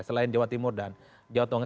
selain jawa timur dan jawa tengah